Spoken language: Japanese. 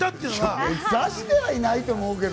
目指してはいないと思うけど。